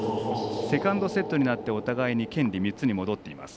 セカンドセットになってお互いに権利３つに戻っています。